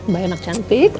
bye anak cantik